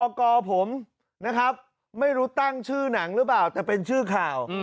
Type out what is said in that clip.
กรผมนะครับไม่รู้ตั้งชื่อหนังหรือเปล่าแต่เป็นชื่อข่าว